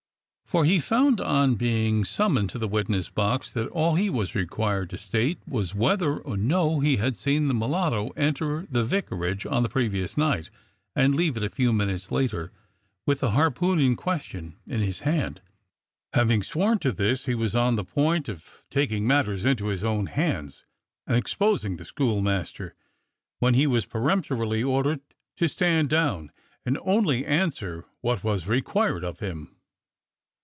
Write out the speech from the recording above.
for he found on being summoned to the witness box that all he was required to state was whether or no he had seen the mulatto enter the vicarage on the previous night and leave it a few minutes later with the harpoon in question in his hand. Having sworn to this, he was on the point of taking matters into his own hands and exposing the schoolmaster, when he was peremptorily ordered to "stand down" and only answer what was required of him.